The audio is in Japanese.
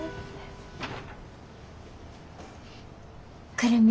久留美。